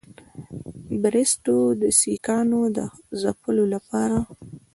بریسټو د سیکهانو د ځپلو لپاره.